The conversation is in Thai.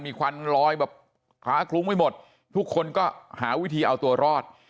มีควันลอยแบบค้าคลุ้งไปหมดทุกคนก็หาวิธีเอาตัวรอด